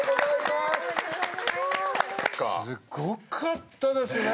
すごかったですね。